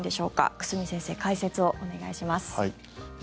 久住先生、解説をお願いします。